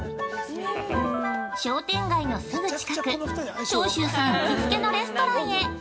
◆商店街のすぐ近く長州さん行きつけのレストランへ。